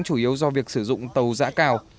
chủ yếu do việc sử dụng tàu dã cào